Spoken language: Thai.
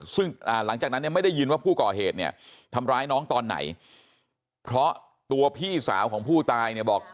ซึ่งหลังจากนั้นเนี่ยไม่ได้ยินว่าผู้ก่อเหตุเนี่ยทำร้ายน้องตอนไหนเพราะตัวพี่สาวของผู้ตายเนี่ยบอก